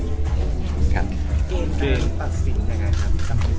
เกณฑ์การตัดสินยังไงครับ